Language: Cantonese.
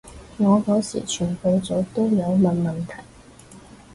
我嗰時全部組都有問問題